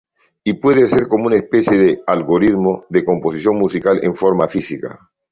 Y puede ser como una especie de algoritmo de composición musical en forma física.